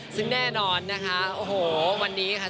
ซึ่งแน่นอนนะคะโอ้โหวันนี้ค่ะ